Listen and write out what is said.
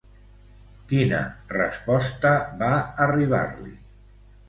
Quina resposta va arribar-li?